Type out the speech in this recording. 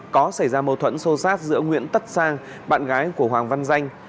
có xảy ra mâu thuẫn sô sát giữa nguyễn tất sang bạn gái của hoàng văn danh